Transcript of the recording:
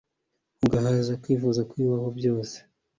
Ugahaza kwifuza kwibibaho byose